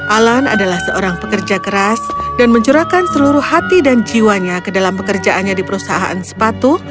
alan adalah seorang pekerja keras dan mencurahkan seluruh hati dan jiwanya ke dalam pekerjaannya di perusahaan sepatu